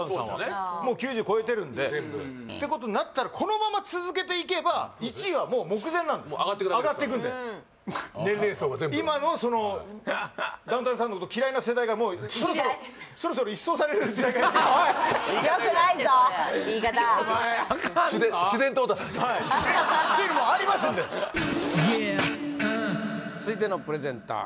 全部もう９０超えてるんでてことになったらこのまま続けていけば上がってくだけですから上がっていくんで年齢層が全部今のそのダウンタウンさんのこと嫌いな世代がもうそろそろ嫌いおいよくないぞ言い方お前アカンぞ自然自然淘汰されてはいていうのもありますんで続いてのプレゼンター